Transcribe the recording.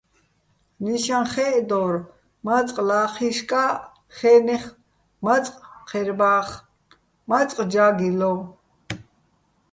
ნიშაჼ ხე́ჸდორ მაწყ ლაჴიშკა́ჸ ხე́ნეხ, მაწყ ჴერბა́ხ, მაწყ ჯა́გილო.